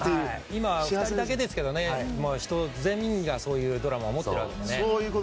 今、２人だけですけど全員がそういうドラマを持っているわけで。